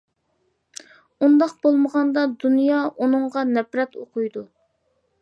ئۇنداق بولمىغاندا دۇنيا ئۇنىڭغا نەپرەت ئوقۇيدۇ.